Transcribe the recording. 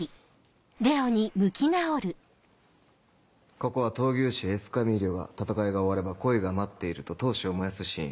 ここは闘牛士エスカミーリョが戦いが終われば恋が待っていると闘志を燃やすシーン。